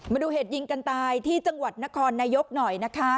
มาดูเหตุยิงกันตายที่จังหวัดนครนายกหน่อยนะคะ